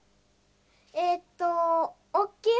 えっとおっきい